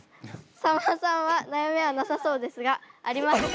さんまさんは悩みはなさそうですがありますか？